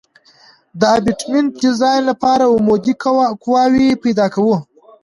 د ابټمنټ ډیزاین لپاره عمودي قواوې پیدا کوو